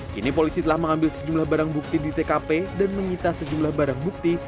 kini polisi telah mengambil sejumlah barang bukti di tkp dan menyita sejumlah barang bukti